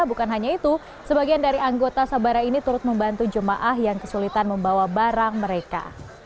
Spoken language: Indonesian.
bukan hanya itu sebagian dari anggota sabara ini turut membantu jemaah yang kesulitan membawa barang mereka